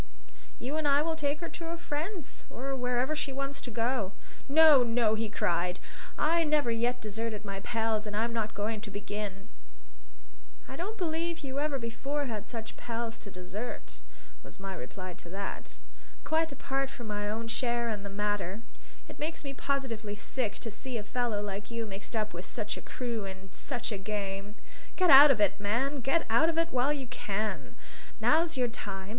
"You and I will take her to her friends, or wherever she wants to go." "No, no!" he cried. "I never yet deserted my pals, and I'm not going to begin." "I don't believe you ever before had such pals to desert," was my reply to that. "Quite apart from my own share in the matter, it makes me positively sick to see a fellow like you mixed up with such a crew in such a game. Get out of it, man, get out of it while you can! Now's your time.